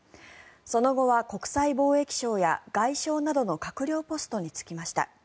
その後は国際貿易相や外相などの閣僚ポストに就きました。